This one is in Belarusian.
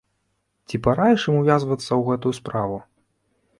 Ці параіш ім увязвацца ў гэтую справу?